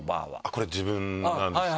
これ自分なんですけど。